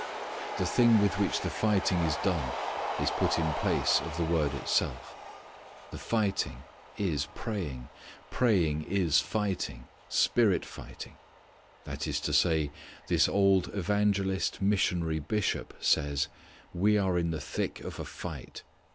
The thing with which the fighting is done is put in place of the word itself. Our fighting is praying. Praying is fighting, spirit fighting. That is to say, this old evangelist missionary bishop says, we are in the thick of a fight.